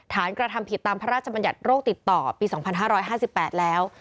กระทำผิดตามพระราชบัญญัติโรคติดต่อปี๒๕๕๘แล้ว